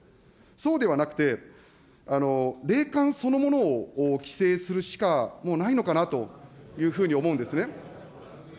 そうではなくて、霊感そのものを規制するしか、もうないのかなというふうに思うんですね。